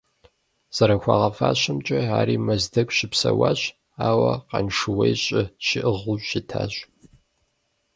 ЗэрыхуагъэфащэмкӀэ, ари Мэздэгу щыпсэуащ, ауэ Къаншыуей щӀы щиӀыгъыу щытащ.